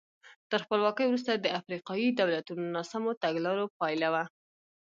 تر خپلواکۍ وروسته د افریقایي دولتونو ناسمو تګلارو پایله وه.